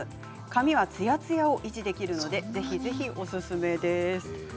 髪もつやつやを維持できるのでおすすめです。